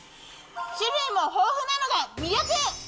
種類も豊富なのが魅力。